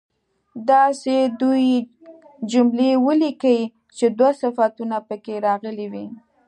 داسې دوې جملې ولیکئ چې دوه صفتونه په کې راغلي وي.